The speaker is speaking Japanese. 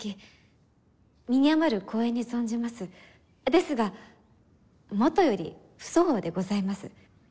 ですがもとより不相応でございます。